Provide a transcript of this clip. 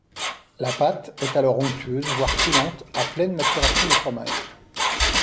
La pâte est alors onctueuse voire coulante à pleine maturation du fromage.